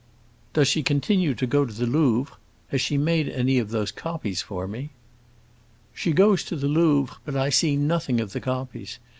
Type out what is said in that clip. "Does she continue to go to the Louvre? Has she made any of those copies for me?" "She goes to the Louvre, but I see nothing of the copies.